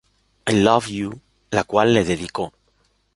I Love You", la cual le dedicó.